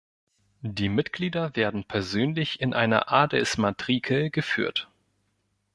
Die Mitglieder werden persönlich in einer Adelsmatrikel geführt.